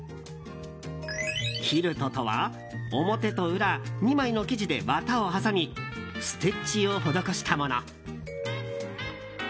キルトとは表と裏２枚の生地で綿を挟みステッチを施したもの。